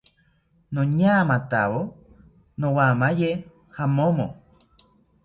Noñamatawo nowamaye jamomo